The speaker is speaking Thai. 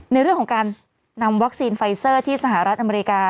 ในเรื่องของการนำวัคซีนไฟเซอร์ที่สหรัฐอเมริกา